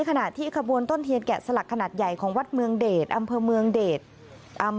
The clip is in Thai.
ขณะที่ขบวนต้นเทียนแกะสลักขนาดใหญ่ของวัดเมืองเดชอำเภอเมืองเดช